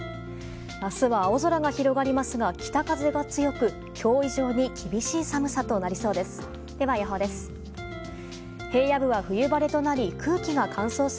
明日は青空が広がりますが北風が強く今日以上に厳しい寒さとなりそうです。